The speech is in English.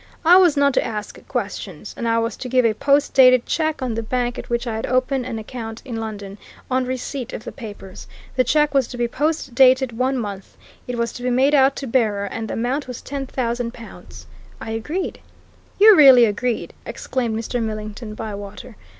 I was not to ask questions. And I was to give a post dated check on the bank at which I had opened an account in London, on receipt of the papers. The check was to be post dated one month; it was to be made out to bearer, and the amount was ten thousand pounds. I agreed!" "You really agreed!" exclaimed Mr. Millington Bywater.